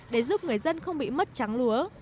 để giúp người dân không bị mất trắng lúa